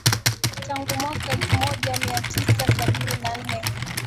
tangu mwaka elfu moja mia tisa sabini na nne